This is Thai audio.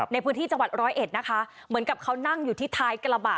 ในพื้นที่จังหวัดร้อยเอ็ดนะคะเหมือนกับเขานั่งอยู่ที่ท้ายกระบะ